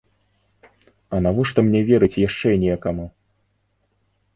А навошта мне верыць яшчэ некаму?